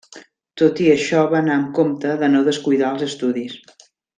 Tot i això va anar amb compte de no descuidar els estudis.